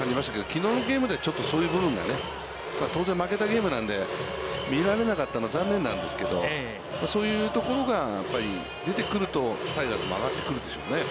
きのうのゲームでは、ちょっとそういう部分がね、当然負けたゲームなので、見られなかったのは残念なんですけれども、そういうところがやっぱり出てくると、タイガースも上がってくるでしょうね。